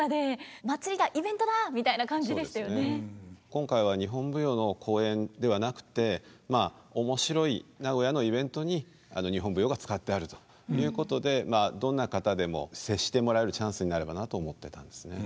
今回は日本舞踊の公演ではなくてまあ面白い名古屋のイベントに日本舞踊が使ってあるということでどんな方でも接してもらえるチャンスになればなと思ってたんですね。